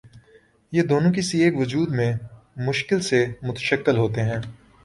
یہ دونوں کسی ایک وجود میں مشکل سے متشکل ہوتے ہیں۔